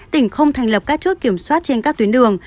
tỉnh không thành lập các chốt kiểm soát trên các tuyến đường